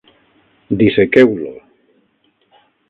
Dissequeu-lo!